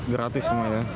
gratis semua ya